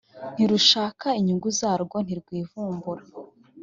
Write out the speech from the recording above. ntirushaka inyungu zarwo ntirwivumbura